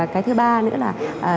cái thứ ba nữa là